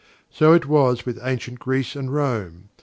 So it was with Ancient Greece and Rome.